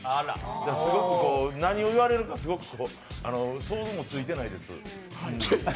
すごく何を言われるか想像もついてないです。